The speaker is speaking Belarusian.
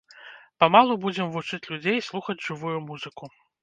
Памалу будзем вучыць людзей слухаць жывую музыку.